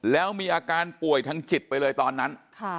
แล้วมีอาการป่วยทางจิตไปเลยตอนนั้น